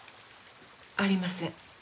ありません。